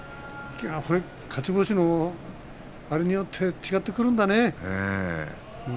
相撲というのは気１つで勝ち星のあれによって違ってくるんだね。